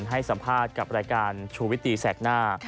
ให้สัมภาษณ์กับรายการชูวิตตีแสกหน้า